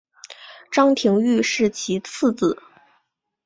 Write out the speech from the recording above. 张廷玉是其次子。